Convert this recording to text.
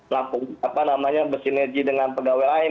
lakukan apa namanya bersinergi dengan pegawai lain